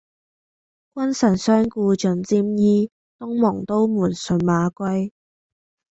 君臣相顧盡沾衣，東望都門信馬歸。